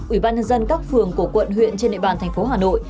ủy ban nhân dân các phường của quận huyện trên địa bàn thành phố hà nội